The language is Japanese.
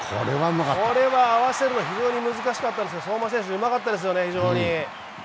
これは合わせるのが非常に難しかったんですが相馬選手、うまかったですね、非常に。